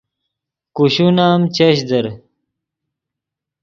کوشون ام چش در